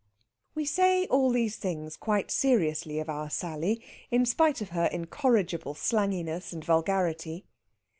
We say all these things quite seriously of our Sally, in spite of her incorrigible slanginess and vulgarity.